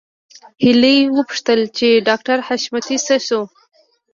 هيلې وپوښتل چې ډاکټر حشمتي څه شو